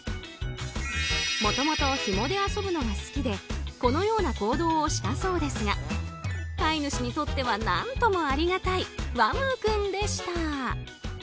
もともと、ひもで遊ぶのが好きでこのような行動をしたそうですが飼い主にとっては何ともありがたいわむう君でした。